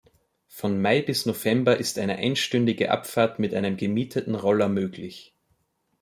Von Mai bis November ist eine einstündige Abfahrt mit einem gemieteten Roller möglich.